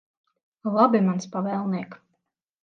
Labi, mans pavēlniek.